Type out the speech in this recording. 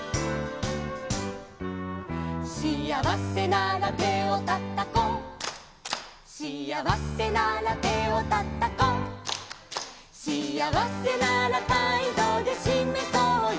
「しあわせなら手をたたこう」「」「しあわせなら手をたたこう」「」「しあわせなら態度でしめそうよ」